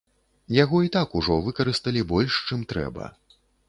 Яго і так ужо выкарысталі больш, чым трэба.